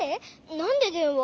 なんででんわ？